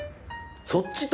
そっちと？